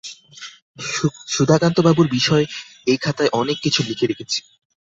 সুধাকান্তবাবুর বিষয়ে এই খাতায় অনেক কিছু লিখে রেখেছি।